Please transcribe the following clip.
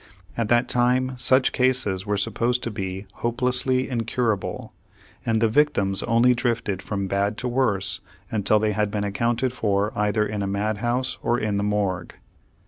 At that time such cases were supposed to be hopelessly incurable, and the victims only drifted from bad to worse until they had been accounted for either in a mad house or in the morgue.